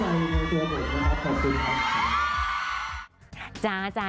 และเข้าใจในตัวผมนะครับขอบคุณครับ